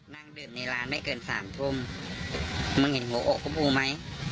นั่งดื่มในร้านไม่เกินสามทุ่มมึงเห็นหัวอกพระโอไหม